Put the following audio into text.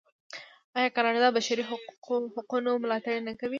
آیا کاناډا د بشري حقونو ملاتړ نه کوي؟